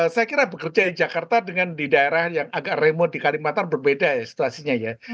saya kira bekerja di jakarta dengan di daerah yang agak remo di kalimantan berbeda situasinya ya